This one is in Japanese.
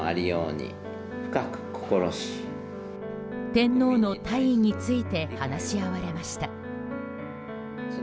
天皇の退位について話し合われました。